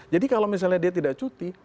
jadi kalau misalnya dia tidak cuti